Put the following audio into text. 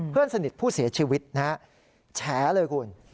เพื่อนสนิทผู้เสียชีวิตนะฮะแฉเลยคุณ